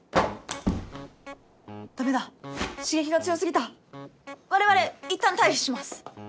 ダメだ刺激が強すぎた我々いったん退避します